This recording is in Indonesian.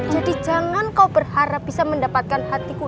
jadi jangan kau berharap bisa mendapatkan hatiku